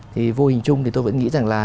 thì vô hình chung thì tôi vẫn nghĩ rằng là